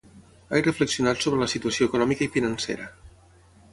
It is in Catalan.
He reflexionat sobre la situació econòmica i financera.